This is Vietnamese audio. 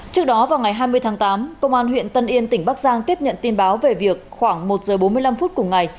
trước đó vào ngày hai mươi tháng tám công an huyện tân yên tỉnh bắc giang tiếp nhận tin báo về việc khoảng một giờ bốn mươi năm phút cùng ngày